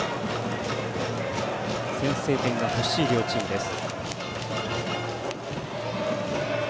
先制点が欲しい両チームです。